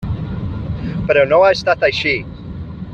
Però no ha estat així.